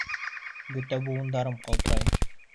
Бөтә быуындарым ҡалтырай!